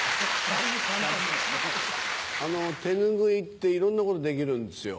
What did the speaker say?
手拭いっていろんなことできるんですよ。